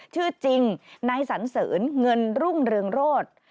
ชื่อจริงนายสันเสริญเงินรุ่งเรืองโรธ